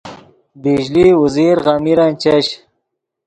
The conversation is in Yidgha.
بجلی اوزیر غمیرن چش